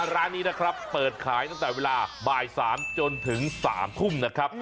ร้านนี้นะครับเปิดขายตั้งแต่เวลาบ่าย๓จนถึง๓ทุ่มนะครับ